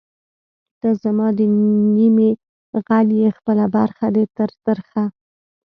ته زما د نیمې غل ئې خپله برخه دی تر ترخه